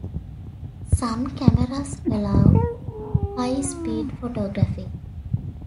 Some cameras allow high-speed photography.